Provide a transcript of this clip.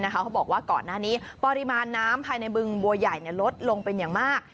เขาบอกว่าก่อนหน้านี้ปริมาณน้ำภายในบึงบัวใหญ่ลดลงเป็นอย่างมาก